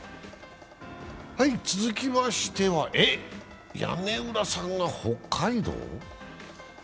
続きましてはえ、屋根裏さんが北海道？